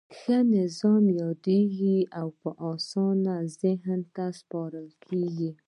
نظم ښه یادیږي او په اسانۍ ذهن ته سپارل کیږي.